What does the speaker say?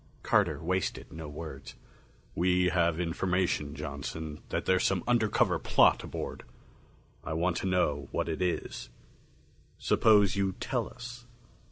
Carter wasted no words. "We have information, Johnson, that there's some undercover plot aboard. I want to know what it is. Suppose you tell us."